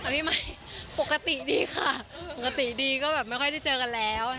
พี่ใหม่ปกติดีค่ะปกติดีก็แบบไม่ค่อยได้เจอกันแล้ว